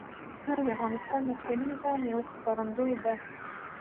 پسه د افغانستان د اقلیمي نظام یو ښکارندوی ده.